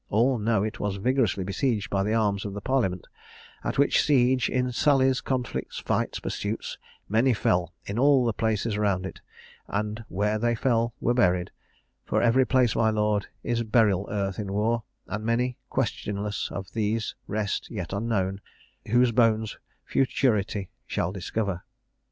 All know it was vigorously besieged by the arms of the parliament; at which siege, in sallies, conflicts, flights, pursuits, many fell in all the places round it, and, where they fell, were buried, for every place, my lord, is burial earth in war; and many, questionless, of these rest yet unknown, whose bones futurity shall discover.